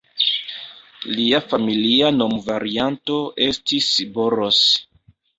Lia familia nomvarianto estis "Boros".